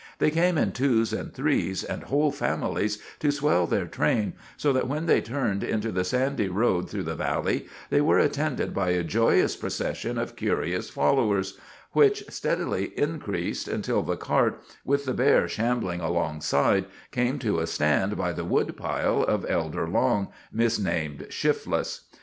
They came in twos, and threes, and whole families, to swell their train, so that when they turned into the sandy road through the valley they were attended by a joyous procession of curious followers, which steadily increased until the cart, with the bear shambling alongside, came to a stand by the woodpile of Elder Long, misnamed Shifless.